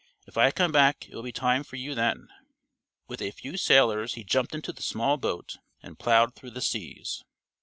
If I come back it will be time for you then." With a few sailors he jumped into the small boat and ploughed through the seas.